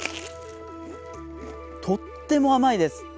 とっても甘いです。